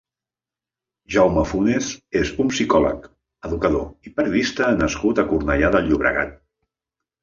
Jaume Funes és un psicòleg, educador i periodista nascut a Cornellà de Llobregat.